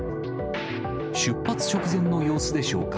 出発直前の様子でしょうか。